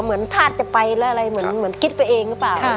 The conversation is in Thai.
เหมือนทาดจะไปแล้วอะไรเหมือนคิดไปเองก็เปล่า